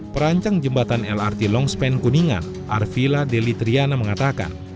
perancang jembatan lrt longspan kuningan arvila delitriana mengatakan